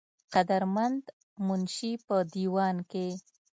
قدر مند منشي پۀ دېوان کښې